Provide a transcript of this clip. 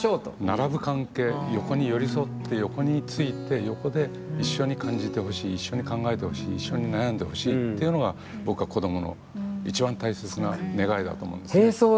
並ぶ関係横に寄り添って横について横で一緒に感じてほしい一緒に考えてほしい一緒に悩んでほしいっていうのが僕は、子どもの一番大切な願いだと思うんですね。